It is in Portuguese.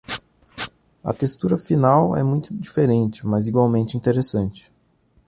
A textura final é muito diferente, mas igualmente interessante.